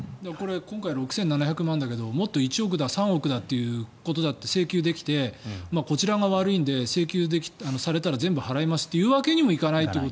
今回６７００万円だけどもっと１億、３億だと請求できてこちらが悪いので請求されたら全部払いますと言うわけにもいかないと。